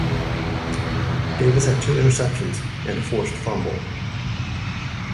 Davis had two interceptions and a forced fumble.